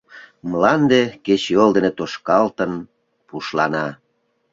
Мланде, кечыйол дене тошкалтын, пушлана.